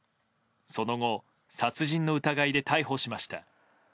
その後、殺人の疑いで逮捕しました。